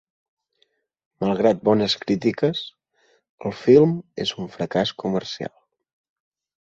Malgrat bones crítiques, el film és un fracàs comercial.